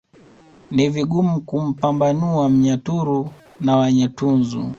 Ni vigumu kumpambanua Mnyaturu na Wanyatunzu